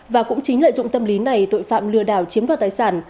và cũng chính lợi dụng tâm lý này tội phạm lừa đảo chiếm đoạt tài sản